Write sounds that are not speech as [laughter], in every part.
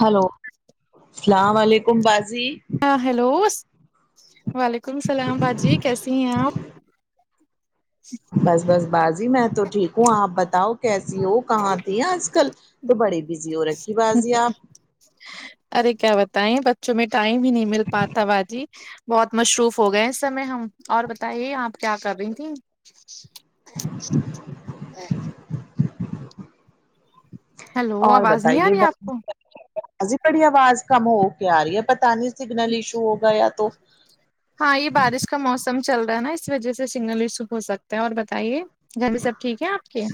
hello سلام و علیکم باجی ہاں ہلوس وعلیکم السلام باجی کیسی ہیں آپ [unintelligible] بس بس باجی میں تو ٹھیک ہوں آپ بتاؤ کیسی ہو کہاں تھی آج کل تو بڑی بزی ہو رکھی باجی آپ ارے کیا بتائیں بچوں میں ٹائم ہی نہیں مل پاتا باجی بہت مصروف ہو گئے اس سمے ہم اور بتائیے آپ کیا کر رہی تھیں [inaudible] ہیلو اور آواز نہیں آ رہی بتائیگا آپ کو باجی بڑی آواز کم ہو کے آ رہی ہے پتا نہیں سگنل ایشو ہوگا یا تو ہاں یہ بارش کا موسم چل رہا ہے نا اس وجہ سے سنگل ایشو ہو سکتا ہے اور بتائیے گھر بھی سب ٹھیک ہے آپ کے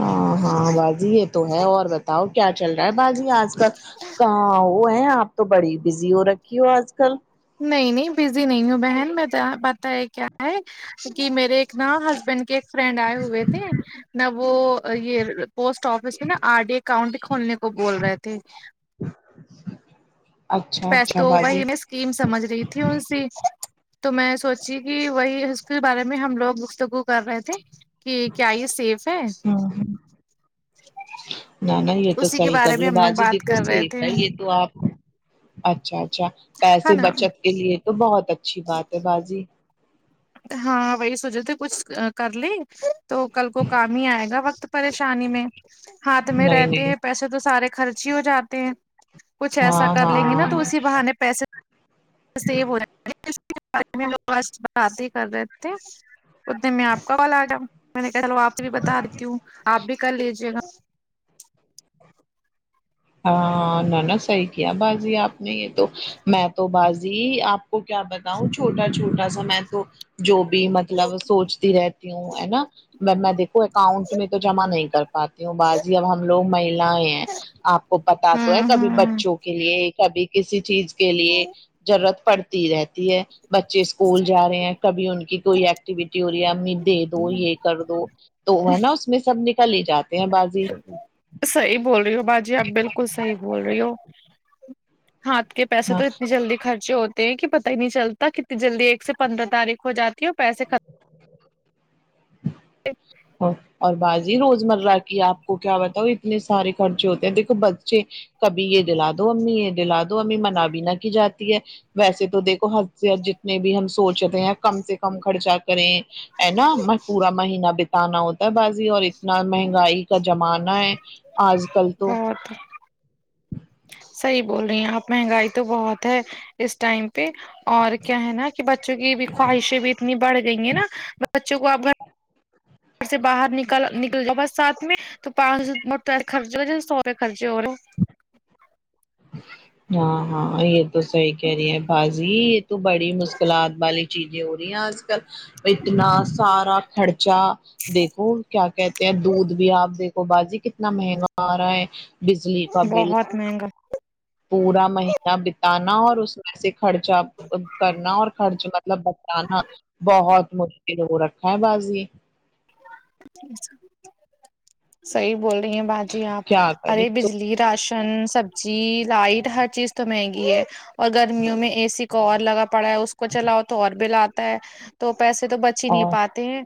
ہاں ہاں باجی یہ تو ہے اور بتاؤ کیا چل رہا ہے باجی آج کل کہاں وہ ہیں آپ تو بڑی بزی ہو رکھی ہو آج کل نہیں نہیں بزی نہیں ہوں بہن میں تو ا بتا ہے کیا ہے کہ میرے ایک نا ہسبینڈ کے ایک فرینڈ آئے ہوئے تھے نہ وہ یہ پوسٹ آفس میں نا آر ڈی اکاؤنٹ کھولنے کو بول رہے تھے اچھا پیسے اچھا تو باجی وہی میں اسکیم سمجھ رہی تھی ان سی تو میں سوچی کہ وہی اس کے بارے میں ہم لوگ گفتگو کر رہے تھے کہ کیا یہ سیف ہے ہ نہ نہ یہ تو اسی کے صحیح کر بارے رہی میں ہو ہم لوگ باجی بات دیکھو کر رہے سیف تھے ہے یہ تو آپ اچھا اچھا ہے پیسے نا بچت کے لیے تو بہت اچھی بات ہے بازی ہاں وہی سونچے تھے کچھ کر لیں تو کل کو کام ہی آئے گا وقت پریشانی میں ہاتھ میں نہیں رہتے نہیں ہیں پیسے تو سارے خرچ ہی ہو جاتے ہیں کچھ ایسا ہاں کر لیں گے نا تو ہاں اسی بہانے پیسے بارے میں لوگ ب بات ہی کر رہے تھے ک دن میں آپ کال ایا میں نے کہا چلو آپ سے بھی بتا دیتی ہوں آپ بھی کر لیجیے گا ہاں میں نہ صحیح کیا بازی آپ نے یہ تو میں تو بازی آپ کو کیا بتاؤں چھوٹا چھوٹا سا میں تو جو بھی مطلب سونچتی رہتی ہوں ہے نا میں میں دیکھو اکاؤنٹ میں تو جمع نہیں کر پاتی ہوں باجی اب ہم لوگ مہیلیں ہیں آپ کو پتا تو ہے ہوں کبھی ہوں بچوں کے لیے کبھی کسی چیز کے لیے ضرورت پڑتی رہتی ہے بچے اسکول جا رہے ہیں کبھی ان کی کوئی ایکٹیویٹی ہو رہی ہے امی دے دو یہ کر دو تو ہے نا اس میں سب نکل ہی جاتے ہیں بازی صحیح بول رہی ہو باجی آپ بلکل صحیح بول رہی ہو ہاتھ کے پیسے ہاں تو اتنی جلدی خرچے ہوتے ہیں کہ پتہ ہی نہیں چلتا کتنی جلدی ایک سے پندرہ تاریخ ہو جات کیوں پیسے خھت اور باجی روزمرہ کی آپ کو کیا بتاؤ اتنے سارے خرچے ہوتے ہیں دیکھو بچے کبھی یہ دلا دو امی یہ دلا دو امی منا بھی نہ کی جاتی ہے ویسے تو دیکھو ہم جتنے بھی ہم سوچے تھے یار کم سے کم خرچہ کریں ہے نا میں پورا مہینہ ب ہٹانا ہوتا ہے بازی اور اتنا مہنگائی کا جمانہ ہے آج کل تو بہت صحیح بول رہی ہیں آپ مہنگائی تو بہت ہے اس ٹائم پہ اور کیا ہے نا کہ بچوں کی بھی خواہشیں بھی اتنی بڑھ گئی ہیں نا بچوں کو آپ گھر سے باہر نکل نکل جاؤ برسات میں تو پانچ سو خرچ ہو سہورے خرچے ہو رہے ہاں ہاں یہ تو صحیح کہہ رہی ہیں بازی یہ تو بڑی مشکلات والی چیزیں ہو رہی ہیں آج کل اتنا سارا خرچہ دیکھو کیا کہتے ہیں دودھ بھی آپ دیکھ وہ باجی کتنا مہنگا آ رہا ہے بزلی کا بل بہت مہنگا پورا مہینہ بتانا اور اس ایسے خرچہ کرنا اور خرچ مطلب بچانا بہت مشکل کل ہو رکھا بازی صحیح بول رہی ہیں باجی آپ کیا کرے ارے تو بجلی راشن سبزی لائٹ ہر چیز تو مہنگی ہے اور گرمیوں میں اے سی کو اور لگا پڑا ہے اس کو چلاؤ تو اور بل آت ا ہے تو پیسے تو بچ ہی نہیں اور پاتے ہیں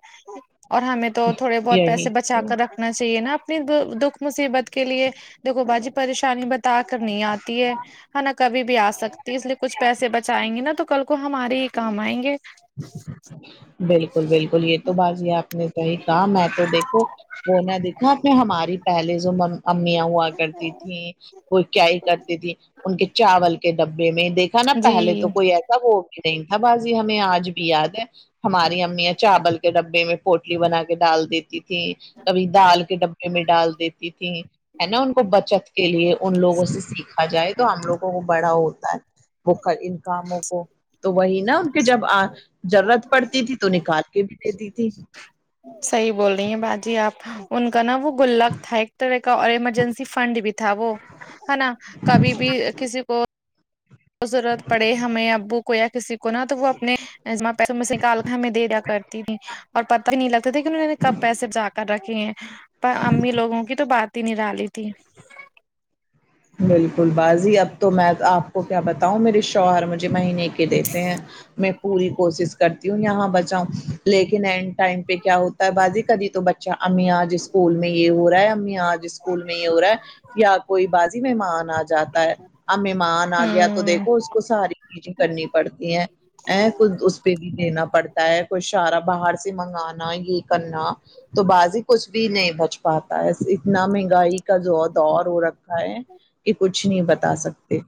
اور ہمیں تو تھوڑے بہت پیسے بچا یہی کر رکھنا چاہیے نا اپنی د دکھ مصیبت کے لیے دیکھو باجی پریشانی بت ا کر نہیں آتی ہے ہے نا کبھی بھی آ سکتی ہے اس لیے کچھ پیسے بچائیں گے نا تو کل کو ہمارے کام آئیں گے بالکل بالکل یہ تو باجی آپ نے صحیح کہا میں تو دیکھو وہ نہ دیکھا کے ہماری پہلے جو م امیاں ہوا کرتی تھیں وہ کیائی کرتی تھی ان کے چاول کے ڈبے میں دیکھا نا پہلے جی تو کوئی ایسا وہ نہیں ہاں باجی ہمیں آج بھی یاد ہے ہماری امیاں چاول کے ڈبے میں پوٹلی بنا کے ڈال دیتی تھیں کبھی دال کے ڈبے میں ڈال دیتی تھیں ہے نا ان کو بچت کے لیے ان لوگوں سے سیکھا جائے تو ہم لوگوں کو بڑا ہوتا ہے وہ کر ان کاموں کو تو وہی نا کے جب ا ضرورت پڑتی تھی تو نکال کے بھی دیتی تھی صحیح بول رہی ہیں باجی آپ ان کا نا وہ گلاک تھا ایک طرح کا اور ایمرجنسی فنڈ بھی تھا وہ ہے نا کبھی بھی کسی کو ضرورت پڑے ہمیں ابو کو یا کسی کو نا تو وہ اپنے ایسا ماں پیسے میں نکال کے ہمیں دے دیا کرتی تھی اور پتہ ہی نہیں لگتا تھا کہ انہوں نے کب پیسے بچا کر رکھے ہیں پر امی لوگوں کی تو بات ہی نرالی تھی بالکل باجی اب تو میں آپ کو کیا بتاؤں میرے شوہر مجھے مہینے کے دیتے ہیں میں پوری کوشش کرتی ہوں یہاں بچاؤں لیکن اینڈ ٹائم پہ کیا ہو تا ہے باجی کبھی تو بچہ امی آج اسکول میں یہ ہو رہا ہے امی آج اسکول میں یہ ہو رہا ہے یا کوئی باجی مہمان آ جاتا ہے اب ممان آ گیا تو ہوں دیکھو اس کو ساری چیزیں کرنی پڑتی ہیں ا ک اس پہ بھی دینا پڑ تا ہے کوئی اشارا باہر سے منگانا یہ کرنا تو بازی کچھ بھی نہیں بچ پا تا ہے اتنا مہنگائی کا جو ہے دور ہو رکھا ہے کہ کچھ نہیں بتا سکتے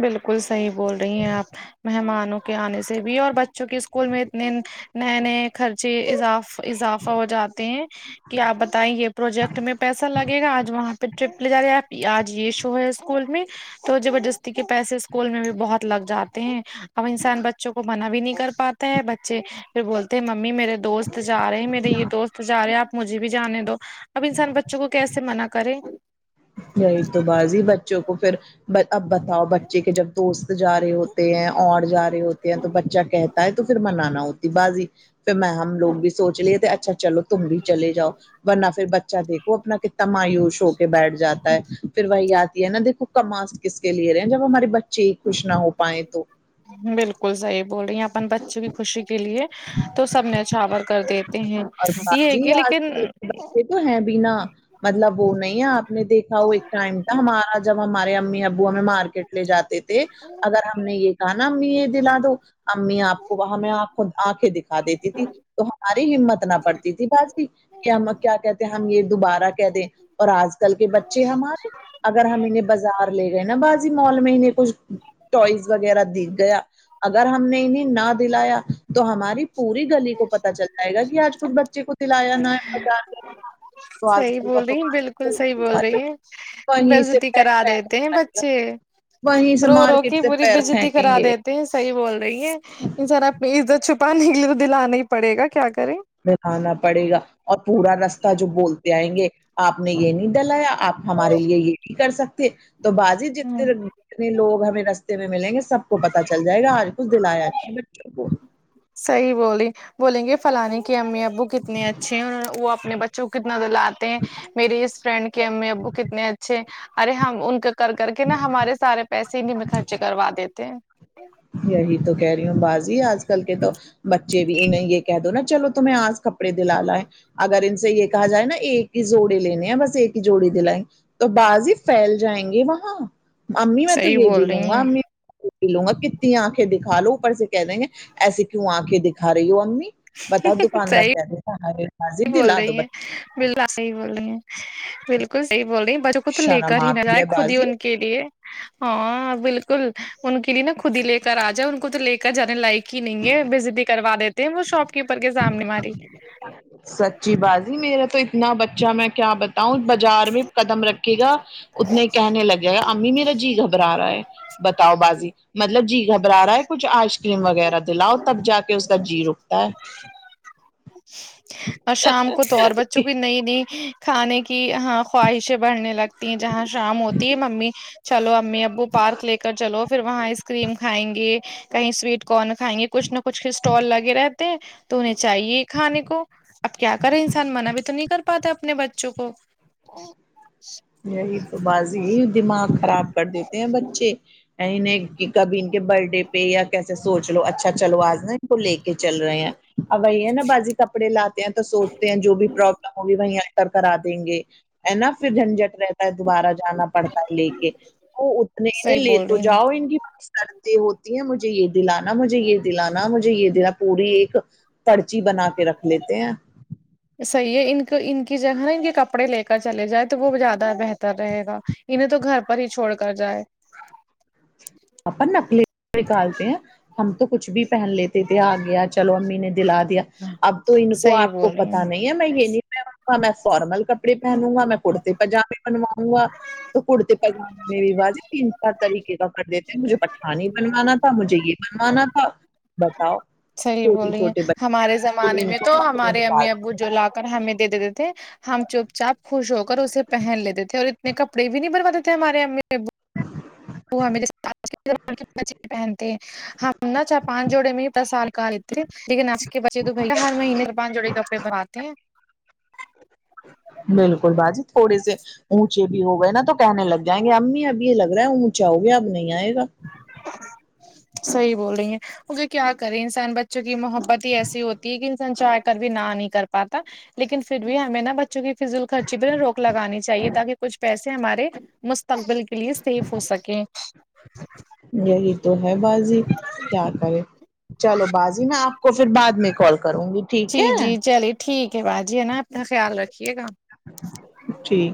بالکل صحیح بول رہی ہیں آپ مہمانوں کے آنے سے بھی اور بچوں کے اسکول میں اتنے نئے نئے خرچے اضاف اضافہ ہو جاتے ہیں کہ آپ بتائیں یہ پروجیکٹ میں پیسہ لگے گا آج وہاں پہ ٹرپ لے جا رہے ہیں آپ آج یہ شو ہے اسکول میں تو زبردست ی پیسے اسکول میں بھی بہت لگ جاتے ہیں اب انسان بچوں کو منا بھی نہیں کر پا تے ہیں بچے پھر بولتے ہیں ممی میرے دوست جا رہے ہیں میرے یہ دوست جا رہے ہیں آپ مجھے بھی جانے دو اب انسان بچوں کو کیسے منع کرے وہی تو باجی بچوں کو پھر اب بتاؤ بچے کے جب دوست جا رہے ہوتے ہیں اور جا رہے ہوتے ہیں تو بچہ کہ تا ہے تو پھر منا نا ہوتی باجی پھر میں ہم لوگ بھی سوچ لیے تھے اچھا چلو تم بھی چلے جاؤ ورنہ پھر بچہ دیکھو اپنا کتنا مایوش ہو کے بیٹھ جاتا ہے پھر وہی آتی ہے نا دیکھو کما س کس کے لے رہے ہیں جب ہمارے بچے خوش نہ ہو پائیں تو بالکل صحیح بول رہی ہیں اپن بچے کی خوشی کے لیے تو سب نچھاور کر دیتے ہیں یہ ہے کہ لیکن یہ تو ہے بی نہ مطلب وہ نہیں ہے آپ ہم نے دیکھا ہو ایک ٹائم تھا ہمارا جب ہمارے امی ابو ہمیں مارکیٹ لے جاتے تھے اگر ہم نے یہ کہا نا امی یہ دلا دو امی آپ کو وہاں ہمیں آنکھیں دکھا ا دیتی تھی تو ہماری ہمت نہ پڑتی تھی باجی کہ ہم کیا کہتے ہیں ہم یہ دوبارہ کہ دیں اور آج کل بچے ہمارے اگر ہم انہیں بازار لے گئے نا بازی مال میں کچھ ٹوائز وغیرہ دیکھ گیا ا اور ہم نے انہیں نہ دلایا تو ہماری پوری گلی تو پتا چل جائے گا کہ آج کچھ بچے کو دلایا نہ ہے بچار تو آج کل کا تو بلکل صحیح بول رہی مارکیٹ ہے بے وہیں سے عزتی پیر کرا دیتے ہیں پھینک بچے وہیں سے رو رو مارکیٹ کے سے پوری پیر بیزاتی پھینکیں کرا گے دے صحیح بول رہی ہیں زارا اپنی عزت چھپانے کے لیے تو دلا نہ ہی پڑے گا کیا کریں میں کھانا پڑے گا اور پورا رستہ جو بولتے آئیں گے آپ نے یہ نہیں ڈلایا آپ ہمارے لیے یہ نہیں کر سکتے تو بازی ہ جتنے بھی لوگ ہمیں رس ملیں گے سب کو پتا چل جائے گا آج کچھ دلایا ہے بچوں کو صحیح بولی بولیں گے فلانی کی امی اب وہ کتنے اچھے ہیں وہ اپنے بچوں کو کتنا دلاتے ہیں میری اس فرینڈ کے امی ابو کتنے اچھے ہے ارے ہم ان کے کر کر کے نا ہمارے سارے پیسے انہیں میں خرچ کروا دیتے ہیں یہی تو کہہ رہی ہوں بازی آج کل کے تو بچے بھی انہیں یہ کہہ دو نا چلو اج تمہیں کپڑے دلا لایں اگر ان سے یہ کہا جائے نا ایک ہی جوڑی لینے ہیں بس ایک ہی جوڑی دلائیں تو بازی پھیل جائیں گے وہاں امی میں تو صحیح یہ بھی بول لوں رہی گا ہیں امی لوں کتنی آنکھیں دکھا لو اوپر سے کہہ دیں گے ایسے کیوں آنکھیں دکھا رہی ہو اممی بتاؤ دکاندار صحیح کیہ رہا ہمارے بازی بول دلا دو رہی با ہیں بالکل صحیح بول رہی ہیں بلکل اپ سہی بول رہی ہیں بلکل سہی بولراہی بچوں کو تو لے شرم کر ہی نہ آتی جائے ہے خود ہی بازی ان کی کے لیے ہاں بلکل ان کے لیے نا خود ہی لے کر آ جائے ان کو تو لے کر جانے لائق کی نہیں ہے بےعزتی کروا دیتے ہیں وہ شاپ کیپر کے سامنے ہماری سچی بازی میرا تو اتنا بچہ میں کیا با تا ہوں باجار میں قدم رکھکے جاؤ اتنے کہنے لگۓ امی میرا جی گھبرا رہا ہے بتاؤ بازی مطلب جی گھبرا رہا ہے کچھ آئس کریم وغیرہ دلااؤ تب جا کے اس کا جی رکتا ہے اور شام کو تو اور بچوں کی نئی نئی کھانے کی خواہشیں بڑھنے لگتی ہیں جہاں شام ہوتی ہے ممی چلو امی اب وہ پارک لے کر چلو پھر وہاں آئس کریم کھائیں گے کہیں سویٹ کون کھائیں گے کچھ نہ کچھ اسٹال لگے رہتے ہیں تو انہیں چاہیے کھانے کو اب کیا کریں انسان منا بھی تو نہیں کر پاتا اپنے بچوں کو یہی تو بازی دماغ خراب کر دیتے ہیں بچے نی نہیں کبھی کہ برتھ ڈے پہ یا کیسے سوچ لو اچھا چلو آج نا ان کو لے کے چل رہے ہیں اب وہی ہے نا بازی کپڑے لاتے ہیں تو سوچتے ہیں جو بھی پرابلم ہوگی وہی ہے کرا دیں گے ہے نا پھر جھنجٹ رہتا ہے دوبارہ جانا پڑتا ہے لے کے وہ اتنے تو صحیح لے بول کے رہی جاؤ ہیں ان کی پاس کرتے ہوتی ہیں مجھے یہ دلانا مجھے یہ دلانا مجھے یہ دی پوری ایک پرچی بنا کے رکھ لیتے ہیں صحیح ہے ان کو ان کی جگہ ہے نا ان کے کپڑے لے کر چلے جاںے تو وہ بھی زیادہ بہتر رہے گا انہیں تو گھر پر ہی چھوڑ کر جائے اپن اپنے کپڑے نکالتے ہیں ہم تو کچھ بھی پہن لیتے تھے آ گیا چلو امی نے دلا دیا اب تو ان کو صحیح آپ کو بول رہی ہیں پتہ نہیں ہے میں یہ نہیں میں نہ فارمل کپڑے پہنوں گا میں کرتے پیجامے بنواؤں گا تو کرتے پیجامے میں بھی باجی تین چار طریقے کا کر دیتے پھر مجھے پٹھانی بنوانا تھا مجھے یہ بنوانا تھا بتاؤ صحیح بول چھوٹے رہی ہیں چھوٹے بچے ہمارے بالکل زمانے ان میں کو تو ہمارے نکال، امی ابو جو لا ہمیں دے دیتے تھے ہم چوپ چاپ خوش ہو کر اسے پہن لیتے تھے اور نئے کپڑے بھی نہیں بنوا دیتے تھے ہمارے امی اب [inaudible] [unintelligible] پہنتے ہے ہم نہا چاہ پانچ جوڑے میں ہی دس سال کا لیتے لیکن آج کل آجکے بچے تو بھاںی ہر مہینے پانچ جوڑے کپڑے بناتے ہیں بالکل باجی تھوڑے سے اونچے بھی ہو گئے نا تو کہنے لگ جائیں گے امی اب یہ لگ رہا ہے اونچ اونچا ہو گیا اب نہیں آئے گا صحیح بول رہی ہیں مگر کیا کرے انسان بچوں کی محبت ہی ایسی ہوتی ہے کہ انسان چاہ کر بھی نہ نہیں کر پاتا لیکن پھر بھی ہمیں نا بچوں کی فضول خرچی پہ روک لگانی چاہیے تاکہ کچھ پیسے یہ ہمارے مستقبل کے لیے سیف ہو سکے یہی تو ہے باجی کیا کرے چلو بازی میں آپ کو پھر بعد میں کال کروں گی ٹھیک جی ہے جی چلیے ٹھیک ہے باجی ہے نا اپنا خیال رکھیے گا ٹھیک